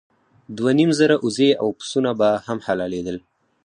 دوه نیم زره اوزې او پسونه به هم حلالېدل.